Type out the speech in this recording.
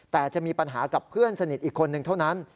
แต่จะมีปัญหากับเพื่อนสนิทอีกคนนึงเท่านั้น